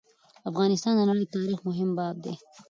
افغانستان د نړی د تاریخ مهم باب دی.